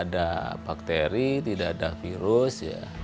ada bakteri tidak ada virus